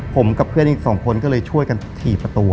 ผมกับเพื่อนอีกสองคนก็เลยช่วยกันถี่ประตู